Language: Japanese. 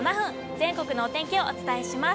全国のお天気をお伝えします。